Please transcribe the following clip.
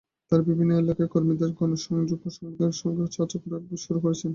তাঁরা বিভিন্ন এলাকায় কর্মীদের সঙ্গে গণসংযোগ এবং সংবাদকর্মীদের সঙ্গে চা-চক্র শুরু করেছেন।